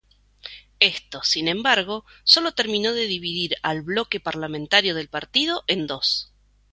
Esto, sin embargo, solo terminó de dividir al bloque parlamentario del partido en dos.